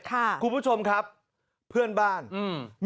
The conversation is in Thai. คุณผู้ชมครับเพื่อนบ้านอืม